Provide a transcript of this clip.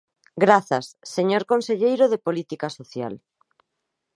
Grazas, señor conselleiro de Política Social.